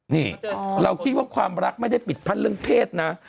นี่เราคิดว่าความรักไม่ได้ปิดพันเรื่องเพศนะ